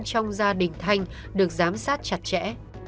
trong gia đình thanh được giám sát chặt chẽ